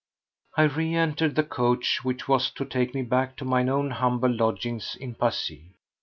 I re entered the coach, which was to take me back to mine own humble lodgings in Passy.